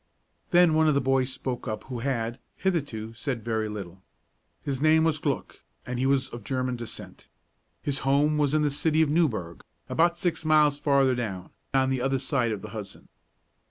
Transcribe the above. Then one of the boys spoke up who had, hitherto, said very little. His name was Glück, and he was of German descent. His home was in the city of Newburg, about six miles farther down, on the other side of the Hudson.